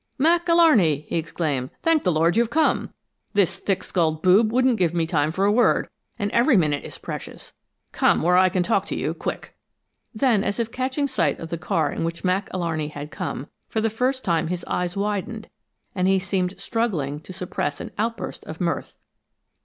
"Mac Alarney!" he exclaimed. "Thank the Lord you've come! This thick skulled boob wouldn't give me time for a word, and every minute is precious! Come where I can talk to you, quick!" Then, as if catching sight of the car in which Mac Alarney had come, for the first time his eyes widened and he seemed struggling to suppress an outburst of mirth.